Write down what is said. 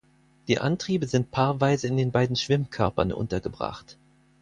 Die Antriebe sind paarweise in den beiden Schwimmkörpern untergebracht.